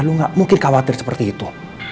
lu gak mungkin khawatir seperti itu